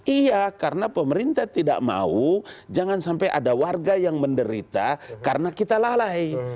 iya karena pemerintah tidak mau jangan sampai ada warga yang menderita karena kita lalai